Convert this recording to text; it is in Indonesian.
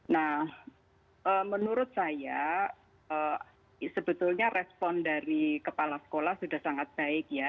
nah menurut saya sebetulnya respon dari kepala sekolah sudah sangat baik ya